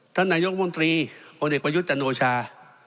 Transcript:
ท่านนายกมนตรีพลเอกประยุทธ์จันโอชา